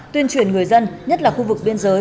tuyên truyền người dân nhất là khu vực biên giới